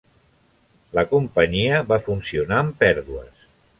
La companyia va funcionar amb pèrdues.